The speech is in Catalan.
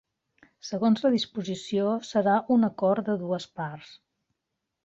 Segons la disposició, serà un acord de dues parts.